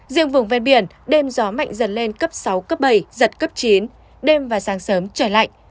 riêng vùng ven biển đêm gió mạnh dần lên cấp sáu cấp bảy giật cấp chín đêm và sáng sớm trời lạnh